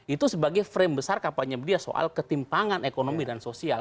itu sebagai frame besar kapalnya dia soal ketimpangan ekonomi dan sosial